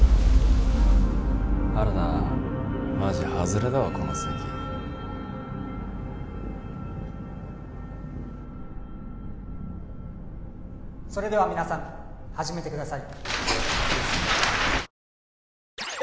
原田マジハズレだわこの席それでは皆さん始めてください